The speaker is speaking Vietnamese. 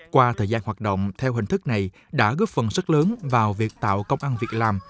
qua thời gian hoạt động theo hình thức này đã góp phần rất lớn vào việc tạo công ăn việc làm